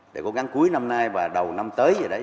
để cố gắng cuối năm nay và đầu năm tới vậy đấy